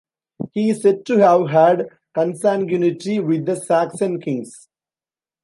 He is said to have had consanguinity with the Saxon kings.